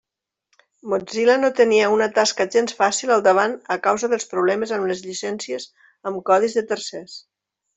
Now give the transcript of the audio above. Mozilla no tenia una tasca gens fàcil al davant a causa dels problemes amb les llicències amb codi de tercers.